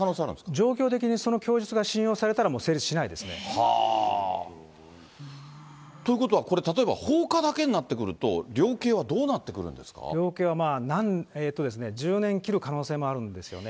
状況的にその供述が信用されたら、もう成立しないですね。ということはこれ、例えば、放火だけになってくると、量刑は量刑はまあ、１０年切る可能性もあるんですよね。